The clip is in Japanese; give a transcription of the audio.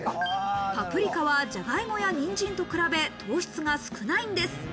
パプリカはじゃがいもや、にんじんと比べ、糖質が少ないんです。